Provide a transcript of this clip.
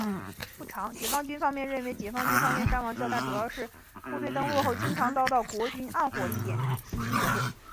解放军方面认为解放军方面伤亡较大主要是部队登陆后经常遭到国军暗火力点袭击所致。